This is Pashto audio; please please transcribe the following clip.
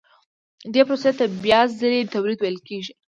دې پروسې ته بیا ځلي تولید ویل کېږي